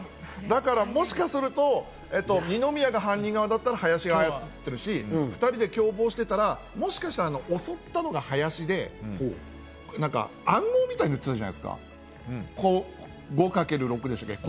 だからもしかすると二宮が犯人側だったら林が操ってるし、２人で共謀してたら、もしかしたら襲ったのが林で、暗号みたいなの言ってたじゃないですか。